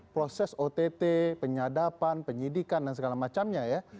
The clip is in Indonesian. proses ott penyadapan penyidikan dan segala macamnya ya